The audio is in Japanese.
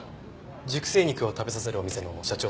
熟成肉を食べさせるお店の社長さんです。